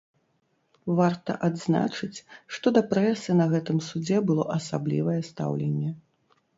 Варта адзначыць, што да прэсы на гэтым судзе было асаблівае стаўленне.